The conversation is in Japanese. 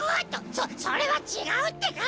そそれはちがうってか！